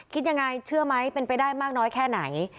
คิดยังไงเชื่อไหมเป็นไปได้มากน้อยแค่ไหน